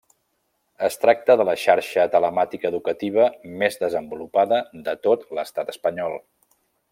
Es tracta de la xarxa telemàtica educativa més desenvolupada de tot l'Estat espanyol.